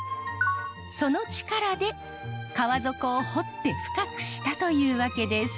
その力で川底を掘って深くしたというわけです。